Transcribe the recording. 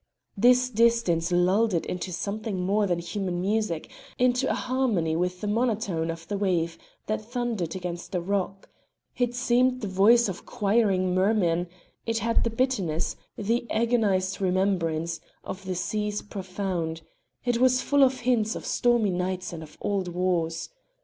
This distance lulled it into something more than human music, into a harmony with the monotone of the wave that thundered against the rock; it seemed the voice of choiring mermen; it had the bitterness, the agonised remembrance, of the sea's profound; it was full of hints of stormy nights and old wars.